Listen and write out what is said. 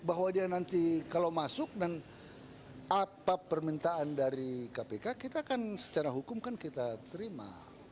bahwa dia nanti kalau masuk dan apa permintaan dari kpk kita akan secara hukum kan kita terima